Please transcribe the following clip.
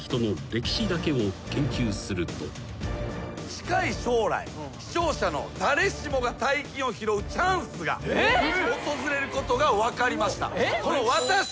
近い将来視聴者の誰しもが大金を拾うチャンスが訪れることが分かりました。